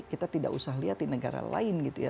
kita tidak usah lihat di negara lain gitu ya